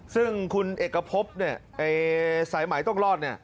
ซึ่งคุณเอกพบเนี่ยสายหมายต้องรอดเนี่ย